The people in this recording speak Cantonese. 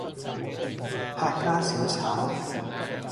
客家小炒